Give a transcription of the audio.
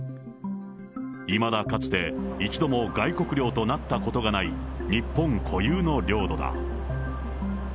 いまだかつて、一度も外国領となったことのない日本固有の領土だ。